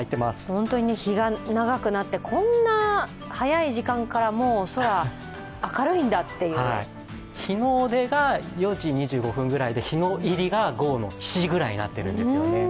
本当に日が長くなって、こんな早い時間からもう空、明るいんだっていう日の出が４時２５分ぐらいで日の入りが午後７時ぐらいになってるんですよね。